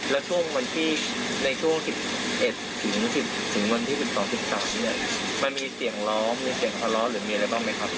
แล้วในช่วง๑๑๑๓มันมีเสียงร้องมีเสียงทะเลาะหรือมีอะไรบ้างไหมครับ